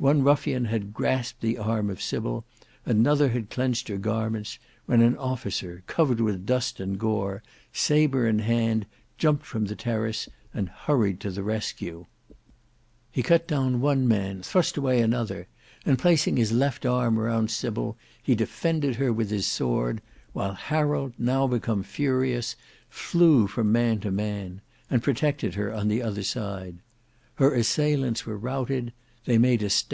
One ruffian had grasped the arm of Sybil, another had clenched her garments, when an officer covered with dust and gore, sabre in hand, jumped from the terrace, and hurried to the rescue. He cut down one man, thrust away another, and placing his left arm round Sybil, he defended her with his sword, while Harold now become furious, flew from man to man, and protected her on the other side.